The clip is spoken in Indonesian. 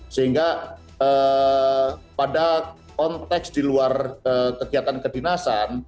sehingga pada konteks di luar kegiatan kedinasan